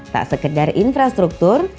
tak sekedar infrastruktur